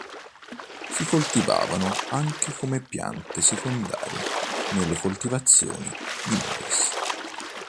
Si coltivavano anche come piante secondaria nella coltivazioni di mais.